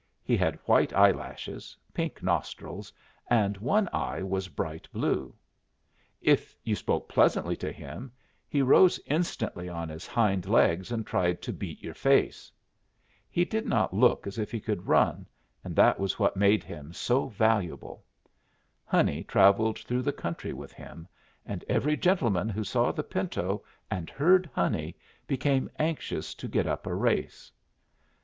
He had white eyelashes, pink nostrils, and one eye was bright blue. If you spoke pleasantly to him, he rose instantly on his hind legs and tried to beat your face. He did not look as if he could run, and that was what made him so valuable. Honey travelled through the country with him, and every gentleman who saw the pinto and heard Honey became anxious to get up a race.